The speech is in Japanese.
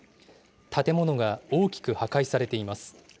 建物が大きく破壊されています。